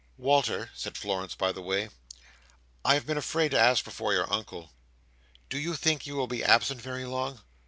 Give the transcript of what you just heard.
"Walter," said Florence by the way, "I have been afraid to ask before your Uncle. Do you think you will be absent very long?"